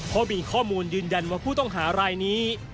เพราะมีข้อมูลยืนยันว่าผู้ต้องหารายนี้